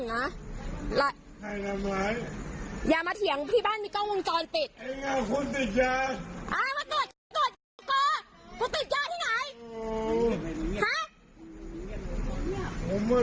มึงไปเรียกกำลัวมาตรวจตรวจประวัติกูไม่มีหรอกขี้ยา